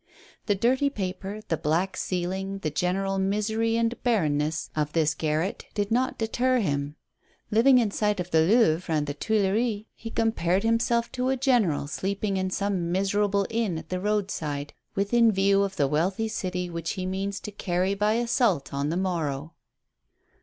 The dirty paper, the black ceiling, the general misery and barrenness of this garret did not 4 ( 65 ) 66 A STARTLING PROPOSITION. deter liim. Living in aiglit of the Louvre and the Tuileries, he compared himself to a general sleeping in some miserable inn at the roadside within view of the wealthy city which he means to carry by assault on the morrow.